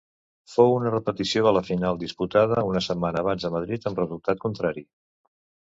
Fou una repetició de la final disputada una setmana abans a Madrid amb resultat contrari.